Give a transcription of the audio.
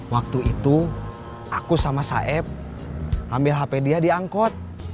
waktu itu aku sama saeb ambil hp dia diangkut